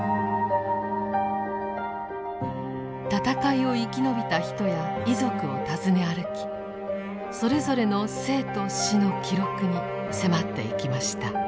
戦いを生き延びた人や遺族を訪ね歩きそれぞれの生と死の記録に迫っていきました。